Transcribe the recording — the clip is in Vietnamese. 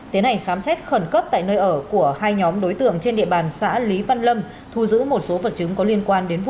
tiến hành khám xét khẩn cấp tại nơi ở của hai nhóm đối tượng trên địa bàn xã lý văn lâm thu giữ một số vật chứng có liên quan đến vụ án